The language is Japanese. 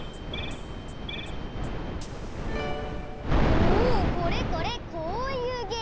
おおこれこれこういうゲーム。